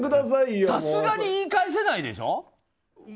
さすがに言い返せないでしょ。